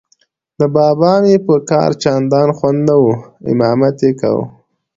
د بابا مې په کار چندان خوند نه و، امامت یې کاوه.